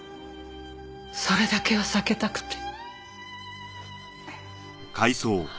それだけは避けたくて。